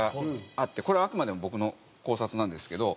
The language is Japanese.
これはあくまでも僕の考察なんですけど。